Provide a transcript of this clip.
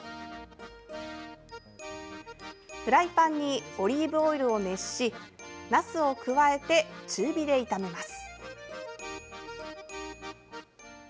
フライパンにオリーブオイルを熱しなすを加えて中火で炒めます。